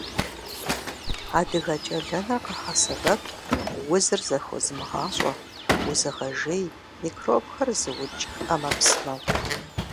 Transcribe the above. Адыгэкӏэлэныр къагъэсэбэп узыр зэхозымыгъащӏэ, узыгъэжей, микробхэр зыукӏ ӏэмэпсымэу.